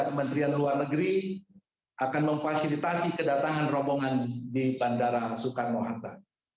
kementerian luar negeri akan memfasilitasi kedatangan rombongan di bandara soekarno hatta